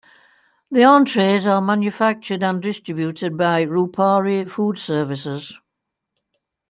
The entrees are manufactured and distributed by Rupari Food Services.